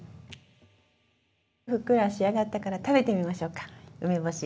ふっくら仕上がったから食べてみましょうか梅干し。